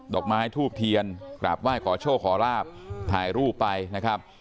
อกไม้ทูบเทียนกราบไหว้ขอโชคขอราบถ่ายรูปไปนะครับ